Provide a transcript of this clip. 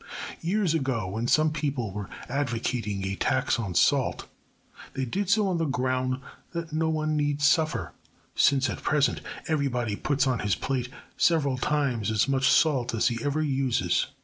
Years ago, when some people were advocating a tax on salt, they did so on the ground that no one need suffer since at present everybody puts on his plate several times as much salt as he ever uses.